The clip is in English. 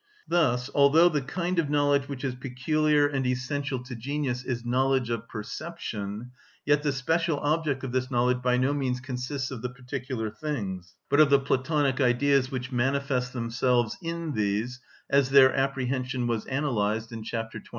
Thus, although the kind of knowledge which is peculiar and essential to genius is knowledge of perception, yet the special object of this knowledge by no means consists of the particular things, but of the Platonic Ideas which manifest themselves in these, as their apprehension was analysed in chapter 29.